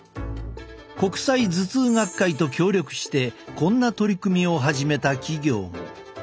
国際頭痛学会と協力してこんな取り組みを始めた企業も。